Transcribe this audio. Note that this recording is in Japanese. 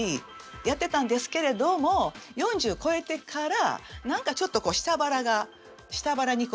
やってたんですけれども４０超えてから何かちょっと下腹が下腹に脂肪がのるとかね。